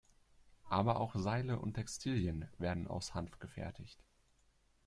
Aber auch Seile und Textilien werden aus Hanf gefertigt.